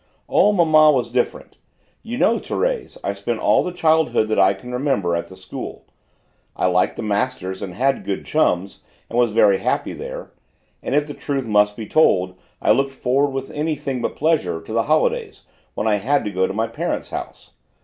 "Oh, mamma was different. You know, Thérèse, I spent all the childhood that I can remember at the school. I liked the masters and had good chums, and was very happy there, and if the truth must be told I looked forward with anything but pleasure to the holidays, when I had to go to my parents' house.